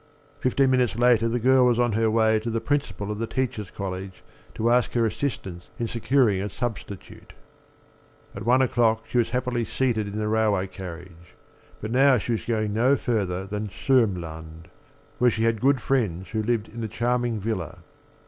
Fifteen minutes later the girl was on her way to the Principal of the Teachers' College to ask her assistance in securing a substitute. At one o'clock she was happily seated in the railway carriage. But now she was going no farther than Sörmland, where she had good friends who lived in a charming villa.